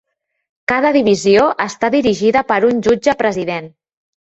Cada divisió està dirigida per un jutge president.